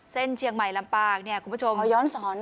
เส้นเชียงใหม่ลำปางเนี่ยคุณผู้ชมเขาย้อนสอน